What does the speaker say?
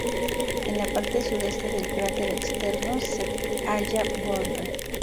En la parte sureste del cráter externo se halla Borman.